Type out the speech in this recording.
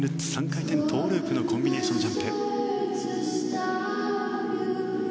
３回転トウループのコンビネーションジャンプ。